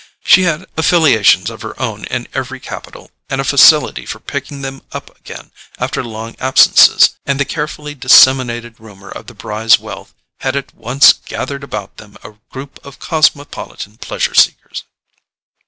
She had affiliations of her own in every capital, and a facility for picking them up again after long absences; and the carefully disseminated rumour of the Brys' wealth had at once gathered about them a group of cosmopolitan pleasure seekers.